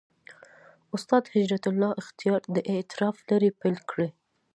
استاد هجرت الله اختیار د «اعتراف» لړۍ پېل کړې.